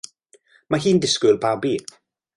Mae hi'n disgwyl babi.